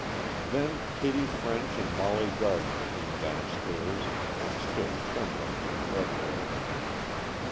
Then Kitty French and Molly Gardner came downstairs and stood trembling on the threshold.